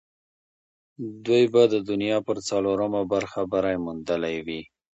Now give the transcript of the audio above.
دوی به د دنیا پر څلورمه برخه بری موندلی وي.